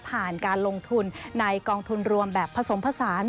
การลงทุนในกองทุนรวมแบบผสมผสาน